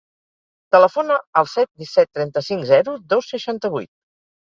Telefona al set, disset, trenta-cinc, zero, dos, seixanta-vuit.